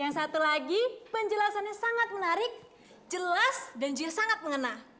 yang satu lagi penjelasannya sangat menarik jelas dan juga sangat mengenal